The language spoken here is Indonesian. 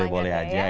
boleh boleh aja ya